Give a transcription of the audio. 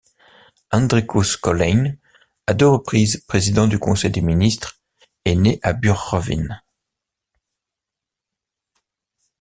Hendrikus Colijn, à deux reprises président du Conseil des ministres, est né à Burgerveen.